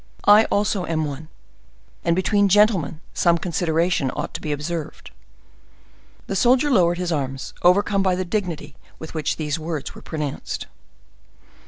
I also am one; and between gentlemen some consideration ought to be observed." The soldier lowered his arms, overcome by the dignity with which these words were pronounced.